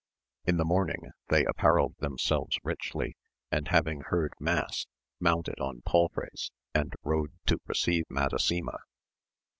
In the morning they apparelled themselves richly, and having heard mass, mounted on palfreys and rode to receive Madasima.